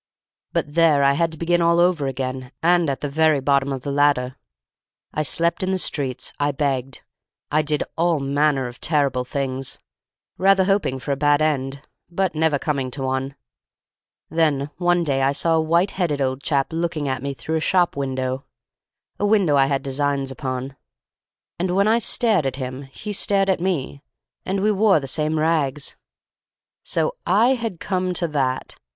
But there I had to begin all over again, and at the very bottom of the ladder. I slept in the streets. I begged. I did all manner of terrible things, rather hoping for a bad end, but never coming to one. Then one day I saw a white headed old chap looking at me through a shop window—a window I had designs upon—and when I stared at him he stared at me—and we wore the same rags. So I had come to that!